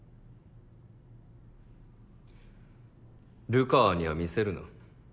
流川には見せるな。